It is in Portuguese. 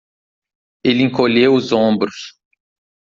Ele encolheu os ombros.